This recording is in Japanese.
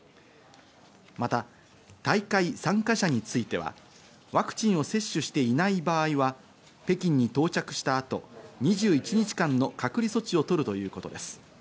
また、大会参加者については、ワクチンを接種していない場合は、北京に到着した後、２１日間の隔離措置を取るということです。